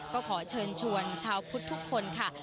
ก็ขอเชิญชวนชาวพุทธทุกคนค่ะ